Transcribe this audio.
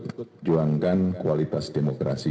menjuangkan kualitas demokrasi